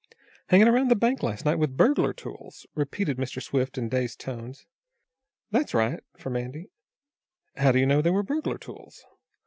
"Hanging around the bank last night with burglar tools?" repeated Mr. Swift, in dazed tones. "That's right," from Andy. "How do you know they were burglar tools?"